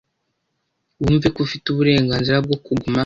Wumve ko ufite uburenganzira bwo kuguma .